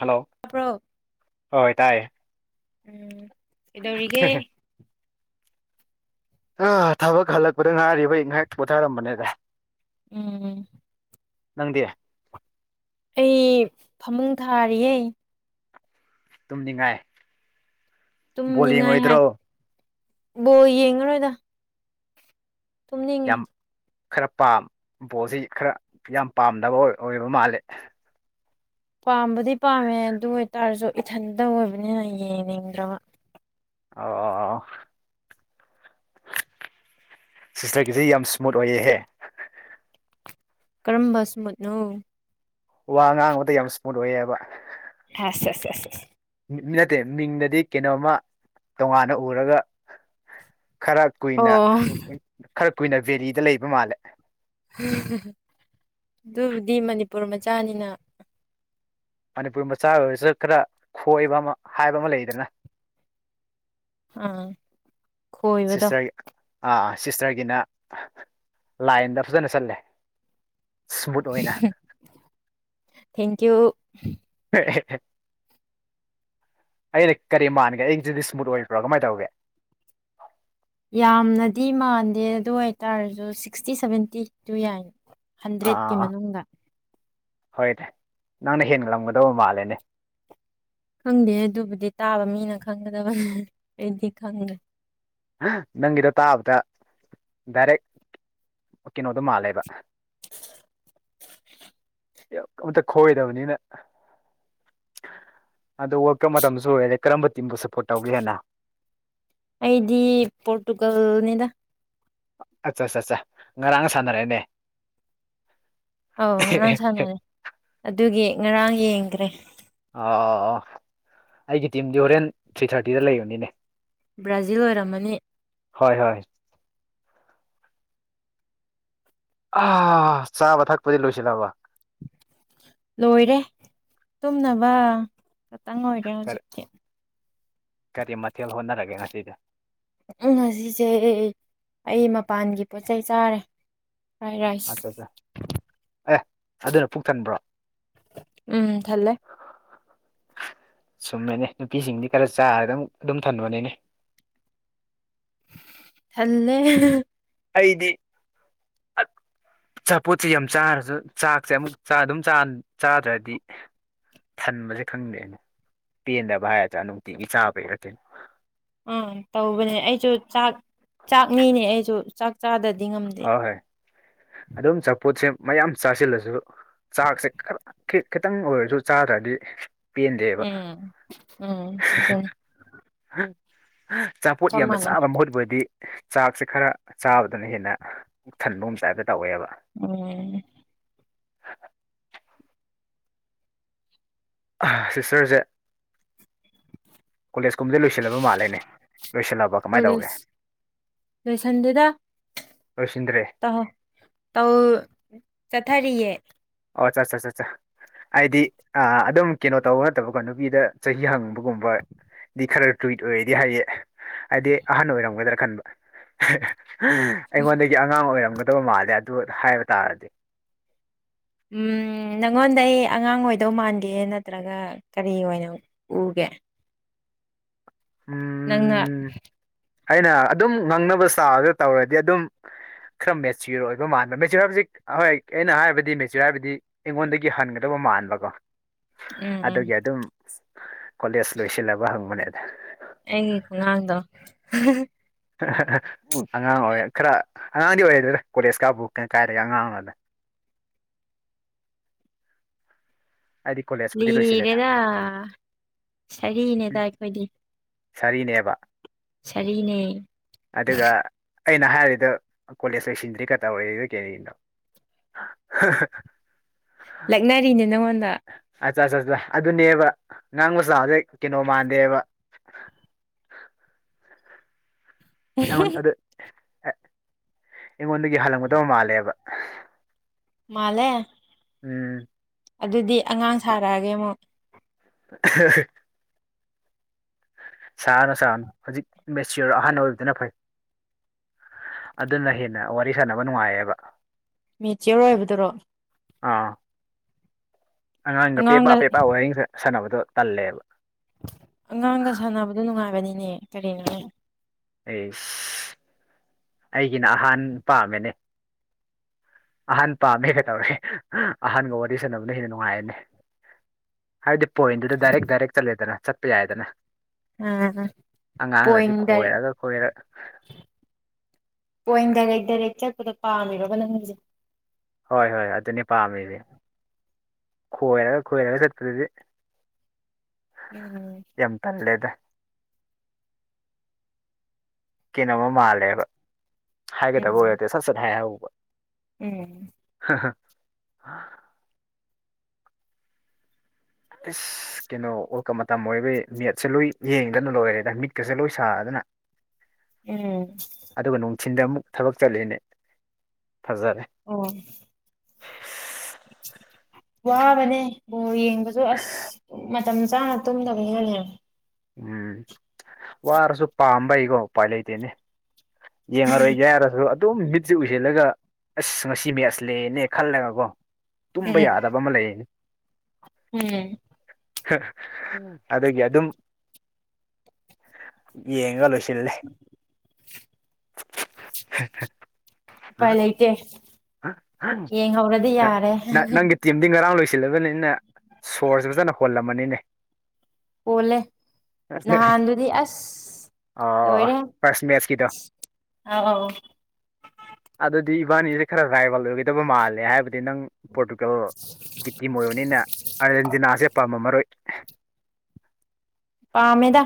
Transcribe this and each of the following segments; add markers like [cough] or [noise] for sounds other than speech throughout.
hello ꯇꯥꯕ꯭ꯔꯣ ꯍꯣꯏ ꯇꯥꯏꯌꯦ ꯎꯝ ꯀꯩꯗꯧꯔꯤꯒꯦ ꯑ ꯊꯕꯛ ꯍꯜꯂꯛꯄꯗ ꯉꯥꯏꯔꯤꯕꯩ ꯉꯥꯏꯍꯥꯛ ꯄꯨꯊꯔꯝꯕꯅꯦꯗ ꯎꯝ ꯅꯪꯗꯤ ꯑꯩ ꯐꯃꯨꯡ ꯊꯥꯔꯤꯌꯦ ꯇꯨꯝꯅꯤꯡꯉꯥꯏ ꯕꯣꯜ ꯌꯦꯡ ꯇꯨꯝꯅꯤꯡꯉꯥꯏ ꯍꯥꯏ ꯑꯣꯏꯗ꯭ꯔꯣ ꯕꯣꯜ ꯌꯦꯉꯔꯣꯏꯗ ꯇꯨꯝꯅꯤꯡꯉꯦ ꯌꯥꯝ ꯈꯔ ꯄꯥꯝ ꯕꯣꯜꯁꯤ ꯈꯔ ꯌꯥꯝ ꯄꯥꯝꯗꯕ ꯑꯣꯏꯕ ꯃꯥꯜꯂꯦ ꯄꯥꯝꯕꯗꯤ ꯄꯥꯝꯃꯦ ꯑꯗꯨ ꯑꯣꯏ ꯇꯥꯔꯁꯨ ꯏꯊꯟꯇ ꯑꯣꯏꯕꯅꯤꯅ ꯌꯦꯡꯅꯤꯡꯗ꯭ꯔꯕ ꯑꯧ ꯑꯧ ꯑꯧ ꯑꯧ ꯁꯤꯁꯇꯔꯒꯤꯁꯦ ꯌꯥꯝ ꯏꯁ꯭ꯃꯨꯠ ꯑꯣꯏꯑꯍꯦ ꯀꯔꯝꯕ ꯁ꯭ꯃꯨꯠꯅꯣ ꯋꯥ ꯉꯥꯡꯕꯇ ꯌꯥꯝ ꯏꯁꯃꯨꯠ ꯑꯣꯏꯌꯦꯕ ꯑ ꯃꯤ ꯅꯠꯇꯦ ꯃꯤꯡꯗꯗꯤ ꯀꯩꯅꯣꯝꯃ ꯇꯣꯉꯥꯟꯅ ꯎꯔꯒ ꯈꯔ ꯀꯨꯏꯅ ꯑꯣ ꯈꯔ ꯀꯨꯏꯅ ꯕꯦꯔꯤꯗ ꯂꯩꯕ ꯃꯥꯜꯂꯦ ꯑꯗꯨꯕꯨꯗꯤ ꯃꯅꯤꯄꯨꯔ ꯃꯆꯥꯅꯤꯅ ꯃꯅꯤꯄꯨꯔ ꯃꯆꯥ ꯑꯣꯏꯕꯁꯨ ꯈꯔ ꯈꯣꯏꯕ ꯑꯃ ꯍꯥꯏꯕ ꯑꯃ ꯂꯩꯗꯅ ꯑꯥ ꯈꯣꯏꯕꯗꯣ ꯁꯤꯁꯇꯔꯒꯤ ꯑꯥ ꯑꯥ ꯁꯤꯁꯇꯔꯒꯤꯅ ꯂꯥꯏꯟꯗ ꯐꯖꯅ ꯆꯠꯂꯦ ꯏꯁ꯭ꯃꯨꯠ ꯑꯣꯏꯅ ꯊꯦꯡꯀꯤꯌꯨ ꯑꯩꯅ ꯀꯔꯤ ꯃꯥꯟꯒꯦ ꯑꯩꯁꯤꯗꯤ ꯏꯁꯃꯨꯠ ꯑꯣꯏꯕ꯭ꯔꯣ ꯀꯃꯥꯏꯅ ꯇꯧꯒꯦ ꯌꯥꯝꯅꯗꯤ ꯃꯥꯟꯗꯦ ꯑꯗꯨ ꯑꯣꯏꯇꯥꯔꯁꯨ ꯁꯤꯛꯁꯇꯤ ꯁꯚꯦꯟꯇꯤ ꯇꯨ ꯌꯥꯔꯦ ꯍꯟꯗ꯭ꯔꯦꯠꯀꯤ ꯃꯅꯨꯡꯗ ꯍꯣꯏ ꯅꯪꯅ ꯍꯦꯟꯅꯂꯝꯒꯗꯧꯕ ꯃꯥꯜꯂꯦꯅꯦ ꯈꯪꯗꯦ ꯑꯗꯨꯕꯨꯗꯤ ꯇꯥꯕ ꯃꯤꯅ ꯈꯪꯒꯗꯕꯅꯤ ꯑꯩꯗꯤ ꯈꯪꯗꯦ ꯅꯪꯒꯤꯗꯣ ꯇꯥꯕꯗ ꯗꯥꯏꯔꯦꯛ ꯀꯩꯅꯣꯗꯣ ꯃꯥꯜꯂꯦꯕ ꯑꯃꯇ ꯈꯣꯏꯗꯕꯅꯤꯅ ꯑꯗꯣ ꯋꯥꯋꯔꯀꯞ ꯃꯇꯝꯁꯨ ꯂꯣꯏꯔꯦꯔꯦ ꯀꯔꯝꯕ ꯇꯤꯝꯕꯨ ꯁꯞꯄꯣꯔꯠ ꯇꯧꯒꯦ ꯍꯥꯏꯦꯟꯅ ꯑꯩꯗꯤ ꯄꯣꯔꯇꯨꯒꯜꯅꯤꯗ ꯑꯠꯆꯥ ꯑꯠꯆꯥ ꯑꯠꯆꯥ ꯉꯔꯥꯡ ꯁꯥꯟꯅꯔꯦꯅꯦ ꯑꯧ ꯉꯔꯥꯡ ꯁꯥꯟꯅꯔꯦ ꯑꯗꯨꯒꯤ ꯉꯔꯥꯡ ꯌꯦꯡꯈ꯭ꯔꯦ ꯑꯥ ꯑ ꯑ ꯑꯩꯒꯤ ꯇꯤꯝꯗꯤ ꯍꯣꯔꯦꯟ ꯊ꯭ꯔꯤ ꯊꯥꯔꯇꯤꯗ ꯂꯩꯕꯅꯤꯅꯦ ꯕ꯭ꯔꯥꯖꯤꯜ ꯑꯣꯏꯔꯝꯃꯅꯤ ꯍꯣꯏ ꯍꯣꯏ ꯑ ꯆꯥꯕ ꯊꯛꯄꯗꯤ ꯂꯣꯏꯁꯤꯜꯂꯕ ꯂꯣꯏꯔꯦ ꯇꯨꯝꯅꯕ ꯇꯪꯉꯔꯣꯏꯒꯦ ꯀꯔꯤ ꯍꯧꯖꯤꯛꯇꯤ ꯀꯔꯤ ꯃꯊꯦꯜ ꯍꯣꯠꯅꯔꯒꯦ ꯉꯁꯤꯗ ꯎꯝ ꯉꯁꯤꯁꯦ ꯑꯩ ꯃꯄꯥꯟꯒꯤ ꯄꯣꯠꯆꯩ ꯆꯥꯔꯦ ꯐ꯭ꯔꯥꯏ ꯔꯥꯏꯁ ꯑꯠꯆꯥ ꯑꯠꯆꯥ ꯑꯦ ꯑꯗꯨꯅ ꯄꯨꯛ ꯊꯟꯕ꯭ꯔꯣ ꯎꯝ ꯊꯜꯂꯦ ꯁꯨꯝꯃꯦꯅꯦ ꯅꯨꯄꯤꯁꯤꯡꯗꯤ ꯈꯔ ꯆꯥꯔ ꯑꯗꯨ ꯑꯗꯨꯝ ꯊꯟꯕꯅꯤꯅꯦ ꯊꯜꯂꯦ ꯑꯩꯗꯤ ꯑꯆꯥꯄꯣꯠꯁꯤ ꯌꯥꯝ ꯆꯥꯔꯁꯨ ꯆꯥꯛꯁꯦ ꯑꯃꯨꯛ ꯑꯗꯨꯝ ꯆꯥꯗ꯭ꯔꯗꯤ ꯊꯟꯕꯁꯦ ꯈꯪꯗꯦꯅꯦ ꯄꯦꯟꯗꯕ ꯍꯥꯏꯒꯗ꯭ꯔꯥ ꯅꯨꯡꯇꯤꯒꯤ ꯆꯥꯕꯩꯔ ꯀꯩꯅꯣ ꯑꯥ ꯇꯧꯕꯅꯦ ꯑꯩꯁꯨ ꯆꯥꯛ ꯆꯥꯛꯅꯤꯅꯦ ꯑꯩꯁꯨ ꯆꯥꯛ ꯆꯥꯗꯗꯤ ꯉꯝꯗꯦ ꯍꯣꯏ ꯍꯣꯏ ꯑꯗꯨꯝ ꯆꯄꯣꯠꯁꯦ ꯃꯌꯥꯝ ꯆꯥꯁꯤꯜꯂꯁꯨ ꯆꯥꯛꯁꯦ ꯈꯔ ꯈꯤꯇꯪ ꯑꯣꯏꯔꯁꯨ ꯆꯥꯗ꯭ꯔꯗꯤ ꯄꯦꯟꯗꯦꯕ ꯎꯝ ꯎꯝ ꯑꯗꯨꯗ ꯎꯝ [unintelligible] ꯑꯆꯥꯄꯣꯠ ꯌꯥꯝꯅ ꯆꯥꯕ ꯃꯍꯨꯠ ꯑꯣꯏꯗꯤ ꯆꯥꯛꯁꯦ ꯈꯔ ꯆꯥꯕꯗꯨꯅ ꯍꯦꯟꯅ ꯊꯟꯕꯒꯨꯝ ꯇꯥꯏꯞ ꯇ ꯇꯧꯋꯦꯕ ꯎꯝ [unintelligible] ꯁꯤꯁꯇꯔꯁꯦ ꯀꯣꯂꯦꯖꯀꯨꯝꯕꯗ ꯂꯣꯏꯁꯤꯜꯂꯕ ꯃꯥꯜꯂꯦꯅꯦ ꯂꯣꯏꯁꯤꯜꯂꯕ ꯀꯃꯥꯏꯅ ꯇꯧꯒꯦ ꯀꯣꯂꯦꯖ ꯂꯣꯏꯁꯟꯗꯦꯗ ꯂꯣꯏꯁꯤꯟꯗ꯭ꯔꯦ ꯇꯧ ꯊꯔꯤꯌꯦ ꯑꯣ ꯆꯠ ꯆ ꯆꯠ ꯆ ꯍꯥꯏꯗꯤ ꯑꯗꯨꯝ ꯀꯩꯅꯣ ꯇꯧꯕ ꯅꯠꯇꯕꯀꯣ ꯅꯨꯄꯤꯗ ꯆꯍꯤ ꯍꯪꯕꯒꯨꯝꯕꯗꯤ ꯈꯔ ꯇꯨꯏꯠ ꯑꯣꯏꯔꯗꯤ ꯍꯥꯏꯌꯦ ꯍꯥꯏꯗꯤ ꯑꯍꯟ ꯑꯣꯏꯔꯝꯒꯗ꯭ꯔꯥ ꯈꯟꯕ ꯑꯩꯉꯣꯟꯗꯒꯤ ꯑꯉꯥꯡ ꯑꯣꯏꯔꯝꯒꯗꯕ ꯃꯥꯜꯂꯦ ꯍꯥꯏꯕ ꯇꯥꯔꯗꯤ ꯝ ꯅꯪꯉꯣꯟꯗ ꯑꯩ ꯑꯉꯥꯡ ꯑꯣꯏꯗꯧ ꯃꯥꯟꯒꯦ ꯅꯠꯇ꯭ꯔꯒ ꯀꯔꯤ ꯑꯣꯏꯅ ꯎꯒꯦ ꯅꯪꯅ ꯎꯝ ꯑꯩꯅ ꯑꯗꯨꯝ ꯉꯪꯅꯕ ꯆꯥꯔꯒ ꯇꯧꯔꯗꯤ ꯑꯗꯨꯝ ꯈꯔ ꯃꯦꯆꯤꯌꯣꯔ ꯑꯣꯏꯕ ꯃꯥꯟꯕ ꯃꯦꯆꯤꯌꯣꯔ ꯍꯥꯏꯖꯤꯛ ꯍꯣꯏ ꯑꯩꯅ ꯍꯥꯏꯕꯗꯤ ꯃꯦꯆꯤꯌꯣꯔ ꯍꯥꯏꯕꯗꯤ ꯑꯩꯉꯣꯟꯗꯒꯤ ꯍꯟꯒꯗꯕ ꯃꯥꯟꯕꯀꯣ ꯎꯝ ꯎꯝ ꯑꯗꯨꯒꯤ ꯑꯗꯨꯝ ꯀꯣꯂꯦꯖ ꯂꯣꯏꯁꯤꯜꯂꯕ ꯍꯪꯕꯅꯦ [unintelligible] ꯑꯩꯒꯤ ꯈꯨꯡꯒꯥꯡꯗ [unintelligible] ꯎꯝ ꯑꯉꯥꯡ ꯑꯣꯏ ꯈꯔ ꯑ ꯉꯥꯡꯗꯤ ꯑꯣꯏꯔꯗꯣꯏ꯭ꯔꯥ ꯀꯣꯂꯦꯖꯀꯥ ꯕꯨꯛ ꯀꯩꯅ ꯀꯥꯏꯔꯒ ꯑꯉꯥꯡꯅꯅꯦ ꯂꯣꯏꯁꯤꯜꯂꯦꯗ ꯂꯤꯔꯦꯗ ꯁꯥꯔꯤꯅꯦꯗ ꯑꯩꯈꯣꯏꯗꯤ ꯁꯔꯤꯅꯦꯕ ꯁꯔꯤꯅꯦ ꯑꯗꯨꯒ ꯑꯩꯅ ꯍꯥꯏꯔꯤꯗ ꯀꯣꯂꯦꯖ ꯂꯣꯏꯁꯤꯟꯗ꯭ꯔꯤꯒ ꯇꯧꯔꯔꯤꯗ ꯒꯦꯔꯤꯅꯣ ꯂꯛꯅꯔꯤꯅꯦ ꯅꯪꯉꯣꯟꯗ ꯆ ꯆꯠ ꯆꯠ ꯆ ꯑꯗꯨꯅꯦꯕ ꯉꯉꯥꯡ ꯃꯆꯥꯥꯛ ꯍꯧꯖꯤꯛ ꯀꯩꯅꯣ ꯃꯥꯟꯗꯦꯕ ꯑꯟ ꯑꯗ ꯑꯦ ꯑꯩꯉꯣꯟꯗꯒꯤ ꯍꯜꯂꯝꯒꯗꯕ ꯃꯥꯜꯂꯦꯕ ꯃꯥꯂꯦ ꯎꯝ ꯑꯗꯨꯗꯤ ꯑꯉꯥꯡ ꯁꯥꯔꯛꯑꯒꯦ ꯑꯃꯨꯛ [unintelligible] ꯁꯥꯥꯛꯑꯅꯨ ꯁꯥꯅꯨ ꯍꯧꯖꯤꯛ ꯃꯦꯁꯤꯌꯣꯔ ꯑꯍꯥꯟꯕ ꯑꯣꯏꯕꯗꯨꯅ ꯐꯩ ꯑꯗꯨꯅ ꯍꯦꯟꯅ ꯋꯥꯔꯤ ꯁꯥꯟꯅꯕ ꯅꯨꯡꯉꯥꯏꯌꯦꯕ ꯃꯦꯆꯌꯔ ꯑꯣꯏꯕꯗꯨꯔꯣ ꯑꯥ ꯑꯉꯥꯡꯒ ꯄꯦꯄꯥ ꯄꯦꯄꯥ ꯋꯥꯔꯡ ꯁꯥꯟꯅꯕꯗꯣ ꯇꯂꯦꯕ ꯑꯉꯥꯡꯒ ꯁꯥꯟꯅꯕꯗꯣ ꯅꯨꯡꯉꯥꯏꯕꯅꯤꯅꯦ ꯀꯔꯤꯅꯣ ꯑꯦ ꯑꯩꯒꯤꯅ ꯑꯍꯥꯟ ꯄꯥꯝꯃꯦꯅꯦ ꯑꯍꯥꯟ ꯄꯥꯝꯃꯦ ꯀꯩꯇꯧꯔꯦ ꯑꯍꯟꯒ ꯋꯥꯔꯤ ꯁꯥꯟꯅꯕꯅ ꯍꯦꯟꯅ ꯅꯨꯡꯉꯥꯏꯔꯅꯤ ꯍꯥꯏꯕꯗꯤ ꯄꯣꯏꯟꯗꯨꯗ ꯗꯥꯏꯔꯦꯛ ꯗꯥꯏꯔꯦꯛ ꯆꯠꯂꯦꯗꯅ ꯆꯠꯄ ꯌꯥꯏꯗꯅ ꯑꯥ ꯑꯉꯥꯡꯗꯗꯤ ꯄꯣꯏꯟ ꯗꯥꯏꯔꯦꯛ ꯈꯣꯏꯔꯒ ꯈꯣꯏꯔ ꯄꯣꯏꯟ ꯗꯥꯔꯦ ꯗꯥꯔꯦꯦꯛ ꯆꯠꯄꯗꯣ ꯄꯥꯝꯃꯤꯔꯣꯕ ꯅꯪꯁꯦ ꯍꯣꯏ ꯍꯣꯏ ꯑꯗꯨꯅꯤ ꯄꯥꯝꯃꯤꯁꯦ ꯈꯣꯏꯔꯒ ꯈꯣꯏꯔꯒ ꯆꯠꯄꯗꯨꯗꯤ ꯎꯝ ꯌꯦ ꯇꯜꯂꯦꯗ ꯀꯩꯅꯣꯝꯃ ꯃꯥꯜꯂꯦꯕ ꯍꯥꯏꯦ ꯇ ꯍꯣꯦ ꯎꯝ ꯁꯠ ꯁꯠ ꯍ ꯍꯥꯏ ꯍ ꯎꯝ ꯑ ꯏꯁꯁ ꯀꯩꯅꯣ ꯑꯣꯔꯀ ꯃꯇꯝ ꯑꯣꯏꯕꯩ ꯃꯦꯠꯁꯦ ꯂꯣꯏ ꯌꯦꯡꯗꯅ ꯂꯣꯏꯔꯦꯗ ꯃꯤꯠꯀꯁꯦ ꯂꯣꯏ ꯁꯥꯗꯅ ꯎꯝ ꯊꯤꯟꯗ ꯑꯃꯨꯛ ꯊꯕꯛ ꯆꯠꯂꯤꯅꯦ ꯐꯖꯔꯦ ꯑꯣ ꯋꯥ ꯃꯅꯦ ꯌꯦꯡꯕꯁꯨ ꯑꯁ ꯃꯇꯝ ꯆꯥꯅ ꯇꯨꯝꯗꯕꯅꯦꯕ ꯎꯝ ꯋꯥꯔꯁꯨ ꯄꯥꯝꯝꯕ ꯣ ꯄꯥꯏ ꯂꯩ ꯂꯩꯇꯦꯅꯦ ꯌꯦꯡꯉꯔꯣꯏ ꯌꯥꯔꯁꯨ ꯑꯗꯨꯝ ꯃꯤꯠꯁꯦ ꯎꯁꯤꯜꯂꯒ ꯑꯁ ꯉꯁꯤ ꯃꯦꯠꯁꯂꯅꯦ ꯈꯜꯂꯒꯀꯣ ꯇꯨꯝꯕ ꯎꯝ ꯌꯥꯗꯕ ꯑꯃ ꯂꯩꯌꯦꯅꯦ ꯎꯝ ꯑꯗꯒꯤ ꯑꯗꯨꯝ ꯌꯦꯡꯉ ꯀꯂꯣꯁꯤ ꯂꯩꯦ ꯍ ꯄꯥꯏ ꯂꯩ ꯂꯩꯇꯦ ꯌꯦꯡꯍꯧꯔꯗꯤ ꯌꯥꯔꯦ ꯁꯤ ꯉꯔꯥꯡ ꯂꯣꯏꯁꯤꯜꯂꯕꯅꯤꯅ ꯁꯣꯔꯁ ꯐꯖꯅ ꯍꯣꯜꯂꯝꯃꯅꯤꯅꯦ ꯄꯣꯜꯂꯦ ꯅꯍꯥꯟꯗꯨꯗꯤ ꯑꯁ ꯑꯣ ꯂꯣꯏꯔꯦ ꯐꯥꯔꯁ ꯃꯦꯠꯁꯀꯤꯗꯣ ꯑꯥꯎ [inaudible] ꯁꯦ ꯌꯥꯥꯏꯕꯜꯗꯗꯤ ꯇꯕ ꯃꯥꯜꯂꯦ ꯍꯥꯏꯕꯗꯤ ꯅꯪ ꯄꯣꯔꯇꯨꯒꯜ ꯒꯤꯇꯤꯝ ꯑꯣꯏꯕꯅꯤꯅ ꯑꯥꯔꯖꯦꯟꯇꯤꯅꯥꯁꯦ ꯄꯥꯝꯕ ꯃꯔꯣꯏ [inaudible] ꯄꯥꯃꯦꯗ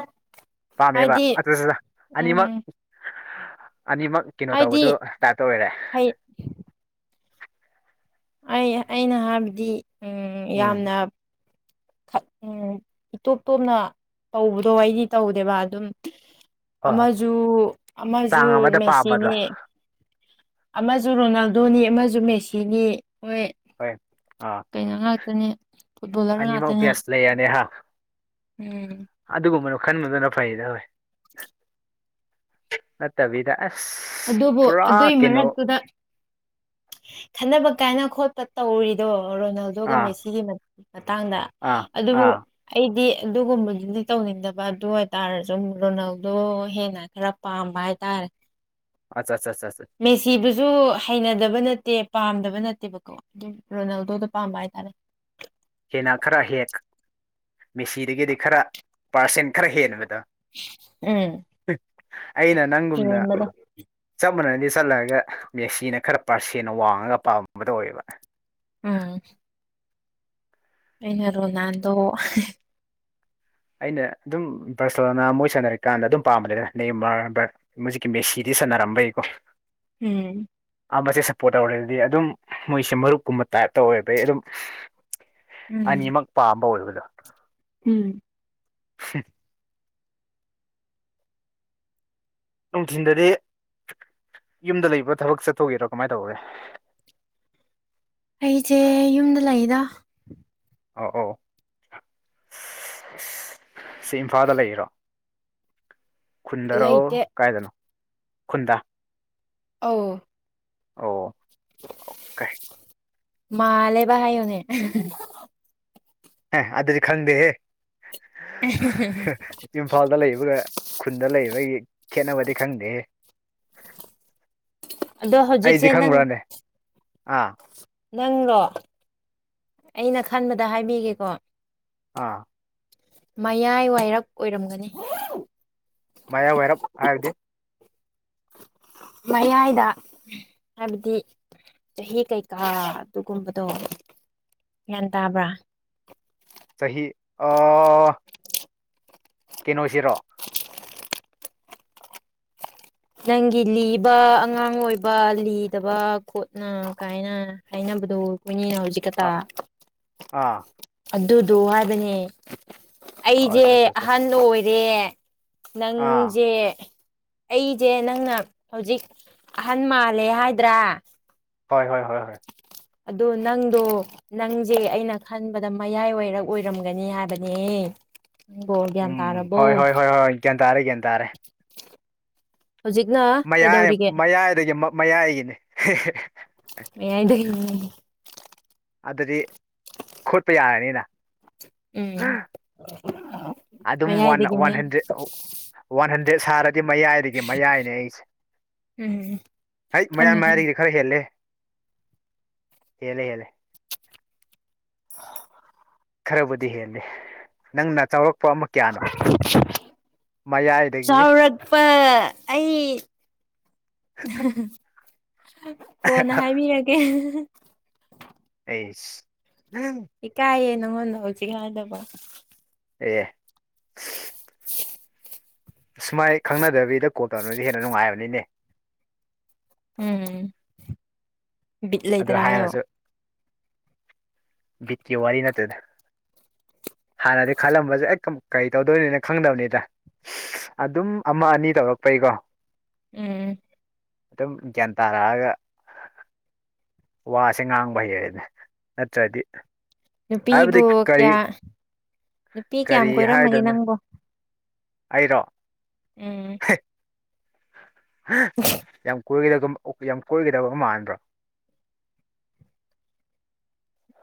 ꯄꯃꯦ ꯑ ꯆꯗ ꯑꯅꯤ ꯃ ꯍ ꯎꯝ ꯑꯅꯤꯃꯛ ꯀꯩꯅꯣ ꯍꯥꯏꯗꯤ ꯇꯧꯕꯗꯨ ꯁꯇꯥꯔꯠ ꯑꯣꯏꯔꯦ ꯍꯩ ꯑꯩ ꯑꯩꯅ ꯍꯥꯏꯕꯗꯤ ꯎꯝ ꯌꯥꯝꯅ ꯎꯝ ꯏꯇꯣꯞ ꯇꯣꯞꯅ ꯇꯧꯕꯗꯣ ꯑꯩꯗꯤ ꯇꯧꯗꯦꯕ ꯑꯗꯨꯝ ꯍꯣꯏ ꯍꯣꯏ ꯑꯃꯁ ꯑꯃꯁ ꯆꯥꯡ ꯑꯃꯗ ꯄꯥꯝꯕꯗꯣ ꯃꯦꯆꯅꯤ ꯑꯃꯁꯨ ꯔꯣꯅꯥꯜꯗꯣꯅꯤ ꯑꯃꯁꯨ ꯃꯦꯁꯤꯅꯤ ꯃꯣꯏ ꯍꯣꯏ ꯑꯥ ꯀꯩꯅꯣ ꯉꯥꯛꯇꯅꯦ ꯐꯨꯠꯕꯣꯂꯔ ꯉꯥꯛꯇꯅꯦ ꯑꯅꯤꯃꯛꯕꯦꯁ ꯂꯩꯔꯅꯤꯍ ꯎꯝ ꯑꯈꯟꯕꯗꯨꯅ ꯐꯩꯗꯋꯦ ꯅꯠꯇꯕꯤꯗ ꯑꯁ ꯑꯗꯨꯕꯨ ꯄꯨꯔꯥ ꯑꯗꯨꯏ ꯀꯩꯅꯣ ꯃꯔꯛꯇꯨꯗ ꯈꯟꯅꯕ ꯀꯥꯏꯅ ꯈꯣꯠꯄ ꯇꯧꯔꯤꯗꯣ ꯑꯣ ꯔꯣꯅꯥꯜꯗꯣꯒ ꯑꯥ ꯃꯦꯁꯤꯒꯤ ꯃꯇꯥꯡꯗ ꯑꯥ ꯑꯗꯨꯕꯨ ꯑꯥ ꯑꯩꯗꯤ ꯑꯗꯨꯒꯨꯝꯕꯗꯨꯗꯤ ꯇꯧꯅꯤꯡꯗꯕ ꯑꯗꯨ ꯑꯣꯏꯇꯥꯔꯁꯨ ꯔꯣꯅꯥꯜꯗꯣ ꯍꯦꯟꯅ ꯈꯔ ꯄꯥꯝꯕ ꯍꯥꯏꯇꯥꯔꯦ [unintelligible] ꯁꯨ ꯍꯩꯅꯗꯕ ꯅꯠꯇꯦ ꯄꯥꯝꯗꯕ ꯅꯠꯇꯦꯕꯀꯣ ꯑꯗꯨꯝ ꯔꯣꯅꯥꯜꯗꯣꯗ ꯄꯥꯝꯕ ꯍꯥꯏꯇꯥꯔꯦ ꯍꯦꯟꯅ ꯈꯔ ꯍꯦꯛ ꯃꯦꯁꯤꯗꯒꯤꯗꯤ ꯈꯔ ꯄꯥꯔꯁꯦꯟ ꯈꯔ ꯍꯦꯟꯕꯗ ꯎꯝ ꯑꯩꯅ ꯅꯪꯒꯨꯝꯅ ꯍꯦꯟꯕꯗꯣ ꯑꯝꯕꯅꯗꯤ ꯆꯠꯂꯒ ꯃꯦꯁꯤꯅ ꯈꯔ ꯄꯥꯔꯁꯦꯅ ꯋꯥꯡꯉꯒ ꯄꯥꯝꯕ ꯇꯧꯋꯦꯕ ꯎꯝ ꯑꯅꯔꯣ ꯅꯥꯟꯗꯣ ꯑꯩꯅ ꯑꯗꯨꯝ ꯕꯔꯁꯂꯣꯅꯥ ꯃꯣꯏ ꯁꯥꯟꯅꯔꯤꯀꯥꯟꯗ ꯑꯗꯨꯝ ꯄꯥꯝꯕꯅꯦꯗ ꯍꯧꯖꯤꯛꯀꯤ ꯃꯦꯁꯤꯗꯤ ꯁꯥꯟꯅꯔꯝꯕꯩꯀꯣ ꯎꯝ ꯃꯦ ꯁꯞꯄꯣꯔꯠ ꯇꯧꯔꯦꯗꯤ ꯑꯗꯨꯝ ꯃꯣꯏꯁꯦ ꯃꯔꯨꯞꯀꯨꯝꯕ ꯇꯥꯏꯞꯇ ꯑꯣꯏꯕꯩ ꯑꯗꯨꯝ ꯎꯝ ꯑꯅꯤꯃꯛ ꯄꯥꯝꯕ ꯑꯣꯏꯒꯗꯥ ꯌꯥ ꯎꯝ ꯁꯤ ꯅꯨꯡꯊꯤꯟꯜꯗꯗꯤ ꯌꯨꯝꯗ ꯂꯩꯕ꯭ꯔꯥ ꯊꯕꯛ ꯆꯠꯊꯣꯛꯒꯦꯔꯥ ꯀꯃꯥꯏꯅ ꯇꯧꯒꯦ ꯑꯩꯁꯦ ꯌꯨꯝꯗ ꯂꯥꯛꯏꯗ ꯑ ꯑ ꯁꯤ ꯏꯝꯐꯥꯜꯗ ꯂꯩꯔꯣ ꯈꯨꯨꯟꯗꯔꯣ ꯂꯩꯇꯦ ꯀꯥꯏꯗꯅꯣ ꯈꯨꯟꯗ ꯑ ꯑꯣ ꯑꯣꯀꯦ ꯃꯥꯂꯦꯕꯍꯥꯏꯨꯅꯦ ꯍ ꯑꯗꯨꯗꯤ ꯈꯪꯗꯦꯦ ꯏꯝꯐꯥꯜꯗ ꯂꯩꯕꯒ ꯈꯨꯟꯗ ꯂꯩꯕꯒꯤ ꯈꯦꯠꯅꯕꯗꯤ ꯈꯪꯗꯦ ꯑꯗꯣ ꯍꯧꯖꯤꯛꯁꯦ ꯅꯪ ꯑꯥ ꯅꯪꯔꯣ ꯑꯩꯅ ꯈꯟꯕꯗ ꯍꯥꯏꯕꯤꯒꯦꯀꯣ ꯑꯥ ꯃꯌꯥꯏ ꯋꯥꯏꯔꯛ ꯑꯣꯏꯔꯝꯒꯅꯤ ꯃꯌꯥ ꯋꯥꯏꯔꯞ ꯍꯥꯏꯕꯗꯤ ꯃꯌꯥꯏꯗ ꯍꯥꯏꯕꯗꯤ ꯆꯍꯤ ꯀꯩꯀꯥ ꯑꯗꯨꯒꯨꯝꯕꯗꯣ ꯒ꯭ꯌꯥꯟ ꯇꯥꯕ꯭ꯔꯥ ꯆꯍꯤꯍꯤ ꯑ ꯀꯩꯅꯣꯁꯤꯔꯣ ꯅꯪꯒꯤ ꯂꯤꯕ ꯑꯉꯥꯡ ꯑꯣꯏꯕ ꯂꯤꯗꯕ ꯈꯣꯠꯅ ꯀꯥꯏꯅ ꯍꯥꯏꯅꯕꯗꯨꯣ ꯃꯤ ꯍꯧꯖꯤꯛꯛꯇ ꯑꯥ ꯑꯥ ꯑꯗꯨꯗꯣ ꯍꯥꯏꯕꯅꯦ ꯑꯣ ꯑꯩꯁꯦ ꯑꯠꯆꯥ ꯑꯠꯆꯥ ꯑꯠꯆꯥ ꯑꯍꯟ ꯑꯣꯏ ꯑꯦ ꯑꯥ ꯅꯪꯖꯦ ꯑꯩ ꯁꯦ ꯅꯪꯅ ꯍꯧꯖꯤꯛ ꯑꯍꯟ ꯃꯥꯜꯂꯦ ꯍꯥꯏꯗ꯭ꯔꯥ ꯍꯣꯏ ꯍꯣꯏ ꯍꯣꯏ ꯍꯣꯏ ꯑꯗ ꯅꯪꯗꯣ ꯅꯪꯁꯦ ꯑꯩꯅ ꯈꯟꯕꯗ ꯃꯌꯥꯏ ꯑꯣꯏꯏꯔ ꯑꯣꯏꯔꯝꯒꯅꯤ ꯍꯥꯏꯕꯅꯦ ꯅꯪꯕꯣ ꯒ꯭ꯌꯥꯟ ꯎꯝ ꯇꯥꯔꯕꯣ ꯍꯣꯏ ꯍꯣꯏ ꯍꯣꯏ ꯍꯣꯏ ꯒ꯭ꯌꯥꯟ ꯇꯥꯔꯦ ꯒ꯭ꯌꯥꯟ ꯇꯥꯔꯦ ꯍꯧꯖꯤꯛꯅ ꯃꯌꯥꯏ ꯀꯩꯗꯧꯔꯤꯒꯦ ꯃꯌꯥꯏꯗꯒꯤ ꯃꯌꯥꯏꯒꯤꯅꯤ ꯃꯗ ꯑꯗꯨꯗꯤ ꯈꯣꯠꯄ ꯌꯥꯔꯅꯤꯅ ꯎꯝ ꯑꯗꯨꯝ ꯋꯥ ꯃꯌꯥꯏꯗꯒꯤ ꯋꯥꯟ ꯃꯌꯥ ꯍꯟꯗ꯭ꯔꯦ ꯋꯥꯟ ꯍꯟꯗ꯭ꯔꯦ ꯁꯥꯔꯦ ꯑꯗꯨꯗꯤ ꯃꯌꯥꯏꯗꯒꯤ ꯃꯌꯥꯏꯅꯦ ꯑꯩꯁꯦ ꯎꯝ ꯍ ꯃꯌꯥꯏ ꯈꯪꯉꯦ ꯈꯪꯉꯦ ꯃꯌꯥꯏꯗꯒꯤꯗꯤ ꯈꯔ ꯍꯦꯜꯂꯦ ꯍꯅꯦ ꯍꯅꯦ ꯈꯔꯕꯨꯗꯤ ꯍꯦꯜꯂꯤꯦ ꯅꯪꯅ ꯆꯥꯎꯔꯛ ꯃꯌꯥꯏꯗꯒꯤ ꯆꯥꯎꯔꯛꯄ ꯑꯩ [unintelligible] ꯀꯣꯅ ꯍꯥꯏꯕꯤꯔꯒꯦ [unintelligible] ꯇꯤꯁ ꯏ ꯀꯥꯏ ꯌꯦ ꯅꯉꯣꯟ ꯅ ꯁꯤ ꯈꯥꯏꯗꯕ ꯑꯦ [unintelligible] ꯑꯃꯥꯏ ꯈꯪꯅꯗꯕꯤꯕꯤꯗ ꯀꯣꯜ ꯇꯧꯅꯕꯁꯤ ꯍꯦꯟꯅ ꯅꯨꯡꯉꯥꯏꯕꯅꯤꯅꯦ ꯎꯝ ꯕꯤꯠ ꯂꯩꯇ꯭ꯔꯥ ꯍꯥꯏꯌꯣ ꯤꯇꯌ ꯋꯥꯔꯤ ꯋꯥꯔꯤ ꯅꯠꯇꯗ ꯍꯥꯟꯅꯗꯤ ꯈꯜꯂꯝꯕꯁꯦ ꯑꯦ ꯀꯔꯤ ꯇꯧꯗꯣꯏꯅꯤꯅ ꯈꯪꯗꯕꯅꯤꯗ ꯑꯗꯨꯝ ꯑꯃ ꯑꯅꯤ ꯇꯧꯔꯛꯄꯩꯀꯣ ꯎꯝ ꯑꯗꯨꯝ ꯒ꯭ꯌꯥꯟ ꯇꯥꯔꯛꯑꯒ ꯋꯥꯁꯦ ꯉꯥꯡꯕ ꯍꯩꯌꯦꯅꯦ ꯅꯠꯇ꯭ꯔꯗꯤ ꯍꯥꯏꯕꯗꯤ ꯅꯨꯄꯤꯕꯨ ꯀꯔꯤ ꯀꯌꯥ ꯅꯨꯄꯤ ꯀꯌꯥꯝ ꯀꯔꯤ ꯀꯣꯏꯔꯝꯃꯒꯦ ꯍꯥꯏꯗꯣꯏꯅꯣ ꯅꯪꯕꯨ ꯑꯩꯔꯣ ꯎꯝ ꯌꯥꯝ ꯀꯣꯏꯗꯕ ꯌꯥꯝ ꯀꯣꯏꯒꯗꯕ ꯃꯥꯟꯕ꯭ꯔꯥ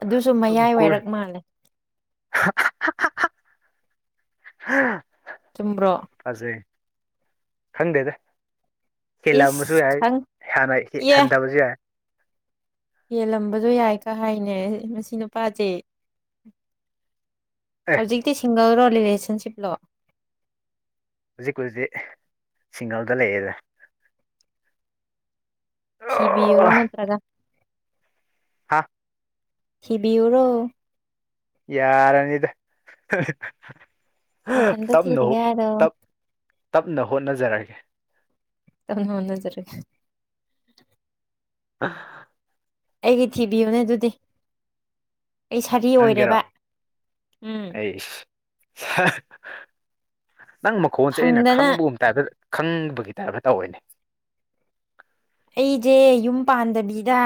ꯑꯗꯨꯁꯨ ꯃꯌꯥꯏ ꯋꯥꯏꯔꯞ ꯃꯥꯜꯂꯦ [unintelligible] ꯍꯥꯥ ꯆꯨꯝꯕ꯭ꯔꯣ ꯍꯪꯗꯦꯗ ꯍꯦꯜꯂꯝꯕꯁꯨ ꯏꯁ ꯌꯥꯏ ꯈꯪ ꯍꯅ ꯏꯌꯦ ꯍꯟꯊꯕꯁꯨ ꯌꯥꯏ ꯌꯦꯜꯂꯝꯕꯗꯣ ꯌꯥꯏ ꯀ ꯍꯥꯏꯅꯦ ꯃꯁꯤ ꯅꯨꯄꯥꯁꯦ ꯑꯦ ꯍꯧꯖꯤꯗꯤ ꯁꯤꯁꯤꯡꯒꯥꯜꯨꯔ ꯔꯂꯦꯁꯟꯁꯤꯞ ꯂꯣ ꯍꯧꯖꯤꯛꯀꯖꯤꯛꯇꯛ ꯁꯤꯡꯒꯜꯗ ꯂꯩꯌꯦꯦꯗ ꯊꯤꯕꯤꯌꯨꯔꯣ ꯅꯠꯇ꯭ꯔꯒ ꯍꯥꯥ ꯊꯕꯤꯤꯌꯔꯣ ꯌꯥ ꯔꯅꯤꯗ ꯞ ꯅꯊꯟꯇ ꯊꯤꯔꯒꯦ ꯍꯥꯏꯔꯣ ꯇꯞꯅ ꯍꯣꯠꯅꯖꯔꯒꯦ ꯇꯅ ꯍꯅꯖꯔ ꯑ ꯑꯩꯒꯤ ꯊꯤꯕꯤꯌꯨꯅꯦ ꯑꯗꯨꯗꯤ ꯑꯩ ꯁꯥꯔꯤ ꯅꯪꯒꯦꯔꯣ ꯑꯣꯏꯔꯦꯕ ꯎꯝ ꯑꯩ ꯅꯪ ꯃꯈꯣꯟꯁꯦ ꯑꯩꯅ ꯐꯪꯗꯅ ꯈꯪꯕꯒꯨꯝ ꯇꯥꯏꯞꯇ ꯈꯪꯕ ꯒꯤ ꯇꯥꯏꯐ ꯇꯧꯑꯣꯏꯅꯦ ꯑꯩꯁꯦ ꯌꯨꯝ ꯄꯥꯟꯗꯕꯤꯗ